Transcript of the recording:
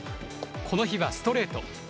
この日はストレート。